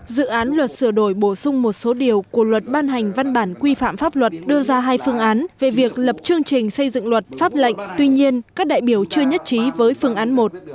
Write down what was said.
dự án luật sửa đổi bổ sung một số điều của luật ban hành văn bản quy phạm pháp luật đưa ra hai phương án về việc lập chương trình xây dựng luật pháp lệnh tuy nhiên các đại biểu chưa nhất trí với phương án một